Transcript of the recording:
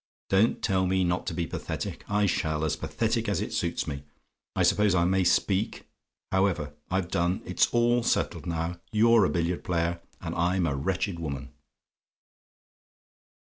Don't tell me not to be pathetic I shall: as pathetic as it suits me. I suppose I may speak. However, I've done. It's all settled now. You're a billiard player, and I'm a wretched woman."